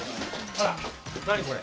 あら何これ？